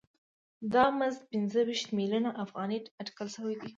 دا مزد پنځه ویشت میلیونه افغانۍ اټکل شوی دی